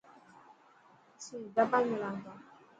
اسين حيدرآباد ۾ رهان ٿا.